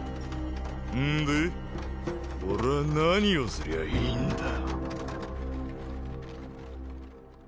んで俺は何をすりゃいいんだ？